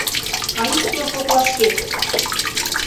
Кай ӱстел коклашкет!..